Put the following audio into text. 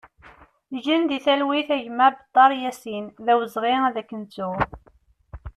Gen di talwit a gma Bettar Yasin, d awezɣi ad k-nettu!